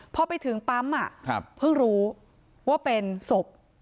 พอไปถึงปั๊มเพิ่งรู้ว่าเป็นศพ